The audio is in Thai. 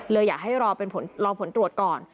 อยากให้รอผลตรวจก่อน